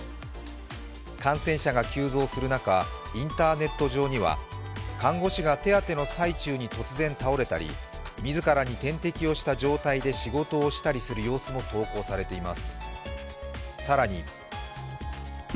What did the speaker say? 感染者が急増する中、インターネット上には看護師が手当ての最中に突然倒れたり自らに点滴をした状態で仕事をしたりする様子も投稿されています。